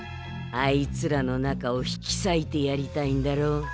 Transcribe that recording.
あいつらの仲を引きさいてやりたいんだろう？